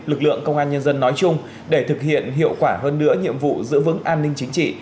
lực lượng công an nhân dân nói chung để thực hiện hiệu quả hơn nữa nhiệm vụ giữ vững an ninh chính trị